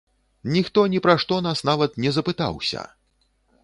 Ніхто ні пра што нас нават не запытаўся!